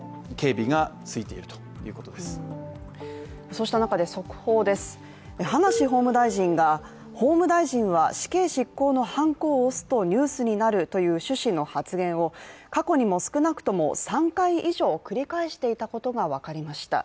そうした中で速報です、葉梨法務大臣が法務大臣は死刑執行のはんこを押すとニュースになるという趣旨の発言を過去にも少なくとも３回以上繰り返していたことが分かりました。